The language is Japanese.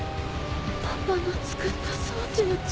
パパが作った装置の力。